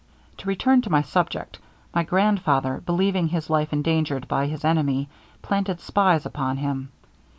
To return to my subject. My grandfather, believing his life endangered by his enemy, planted spies upon him.